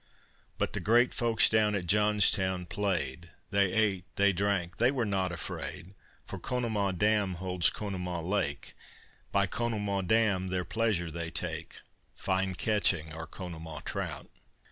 But the great folks down at Johnstown played, They ate, they drank, they were nought afraid, For Conemaugh dam holds Conemaugh lake, By Conemaugh dam their pleasure they take, Fine catching are Conemaugh trout.